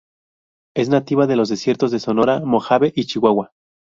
Es nativa de los desiertos de Sonora, Mojave y Chihuahua.